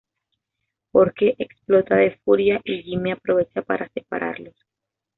Jorgen explota de furia y Jimmy aprovecha para separarlos.